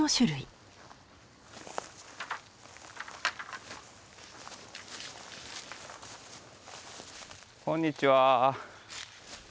あっこんにちは。